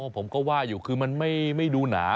ผมก็ว่าอยู่คือมันไม่ดูหนา